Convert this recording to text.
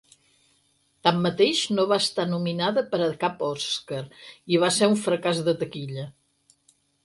Tanmateix, no va estar nominada per a cap Oscar i va ser un fracàs de taquilla.